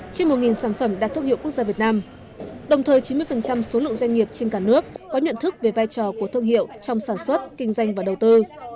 trên một sản phẩm đạt thương hiệu quốc gia việt nam đồng thời chín mươi số lượng doanh nghiệp trên cả nước có nhận thức về vai trò của thương hiệu trong sản xuất kinh doanh và đầu tư